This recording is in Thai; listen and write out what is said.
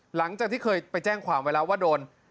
หลังจากที่เคยไปแจ้งความไว้แล้วว่าโดน